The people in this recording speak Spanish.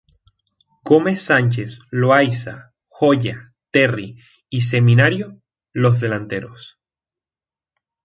Gómez Sánchez, Loayza, Joya, Terry y Seminario, los delanteros.